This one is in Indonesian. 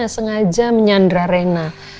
sengaja menyandra raina